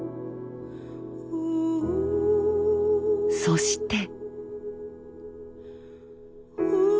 そして。